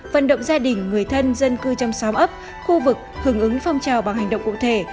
vận động gia đình người thân dân cư trong xóm ấp khu vực hưởng ứng phong trào bằng hành động cụ thể